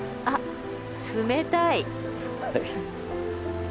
あっ冷たい。